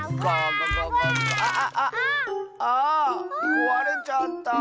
こわれちゃった。